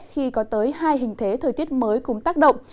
khi có tới hai hình thế thời tiết mới cùng tác động